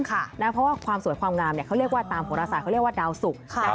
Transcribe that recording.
เพราะว่าความสวยความงามเขาเรียกว่าตามโหรศาสตร์เขาเรียกว่าดาวสุก